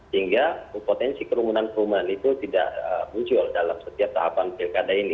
sehingga potensi kerumunan kerumunan itu tidak muncul dalam setiap tahapan pilkada ini